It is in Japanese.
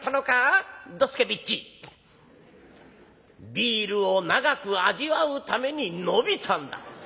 ビールを長く味わうために伸びたんだ」。